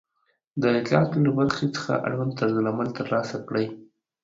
د اطلاعاتو له برخې څخه اړوند طرزالعمل ترلاسه کړئ